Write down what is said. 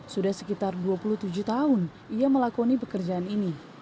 sudah sekitar dua puluh tujuh tahun ia melakoni pekerjaan ini